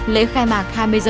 lễ khai mạc hai mươi h